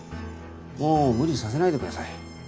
もう無理させないでください。